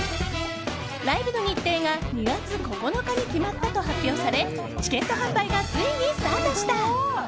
ライブの日程が２月９日に決まったと発表されチケット販売がついにスタートした。